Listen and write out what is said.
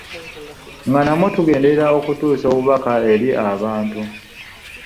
Nga namwo tugenderera okutuusa obubaka eri abantu.